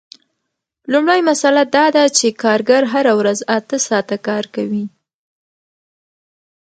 لومړۍ مسئله دا ده چې کارګر هره ورځ اته ساعته کار کوي